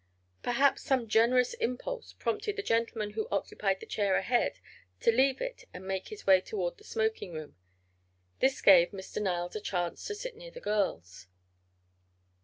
Perhaps some generous impulse prompted the gentleman who occupied the chair ahead to leave it and make his way toward the smoking room. This gave Mr. Niles a chance to sit near the girls.